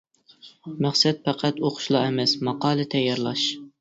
مەقسەت پەقەت ئوقۇشلا ئەمەس، ماقالە تەييارلاش.